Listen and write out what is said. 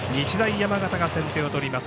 山形が先手を取ります。